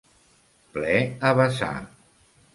Ple a vessar.